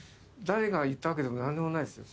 誰が言ったわけでも何でもないですよ。